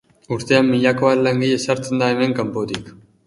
Urtean milako bat langile sartzen da hemen kanpotik.